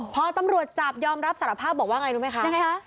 พอตำรวจจับยอมรับสารภาพบอกว่าอย่างไรรู้ไหมคะ